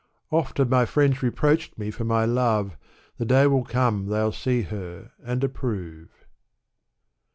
" Ofi have my friends reproached me for my lave : The day will come they U see her and approve.